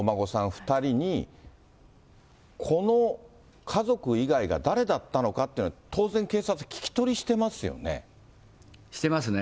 ２人に、この家族以外が誰だったのかというのは、当然警察、してますね。